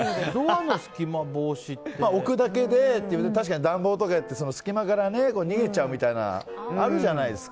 確かに、置くだけで確かに暖房とかで隙間から逃げちゃうみたいなのがあるじゃないですか。